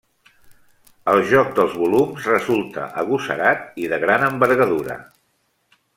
El joc dels volums resulta agosarat i de gran envergadura.